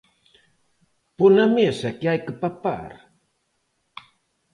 Pon a mesa que hai que papar.